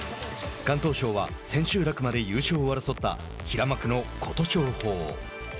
敢闘賞は千秋楽まで優勝を争った平幕の琴勝峰。